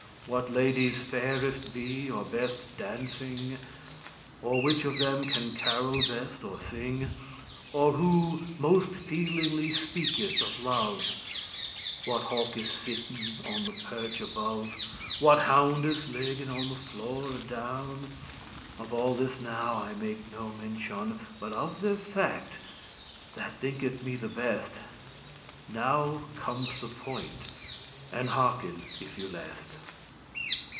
<61> What ladies fairest be, or best dancing Or which of them can carol best or sing, Or who most feelingly speaketh of love; What hawkes sitten on the perch above, What houndes liggen* on the floor adown, *lie Of all this now make I no mentioun But of th'effect; that thinketh me the best Now comes the point, and hearken if you lest.